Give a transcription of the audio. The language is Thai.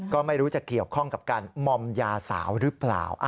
ก็ไม่รู้จะเกี่ยวข้องกับการมอมยาสาวหรือเปล่า